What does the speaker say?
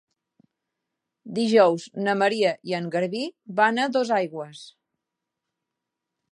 Dijous na Maria i en Garbí van a Dosaigües.